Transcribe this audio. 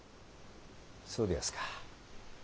そうでやすか。